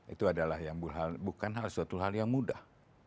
itu adalah bukan hal suatu hal yang mudah